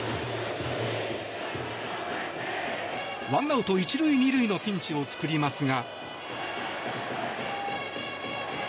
１アウト１塁２塁のピンチを作りますが。